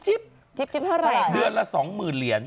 จิ๊บเท่าไรครับเดือนละ๒๐๐๐๐เหรียญ